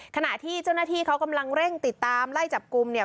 ขณะที่เจ้าหน้าที่เขากำลังเร่งติดตามไล่จับกลุ่มเนี่ย